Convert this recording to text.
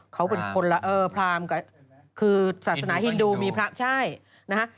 เขาเป็นคนละเออพรามคือศาสนาฮินดูมีพระใช่นะฮะ